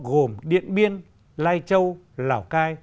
gồm điện biên lai châu lào cai